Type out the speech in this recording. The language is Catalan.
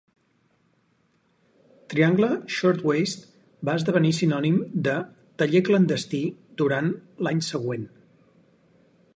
Triangle Shirtwaist va esdevenir sinònim de "taller clandestí" durant l'any següent.